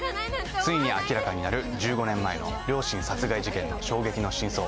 ついに明らかになる１５年前の両親殺害事件の衝撃の真相。